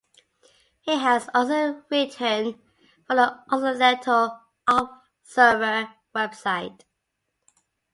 He has also written for "The Occidental Observer" website.